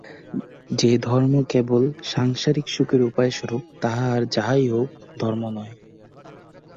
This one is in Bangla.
যে ধর্ম কেবল সাংসারিক সুখের উপায়স্বরূপ, তাহা আর যাহাই হউক, ধর্ম নয়।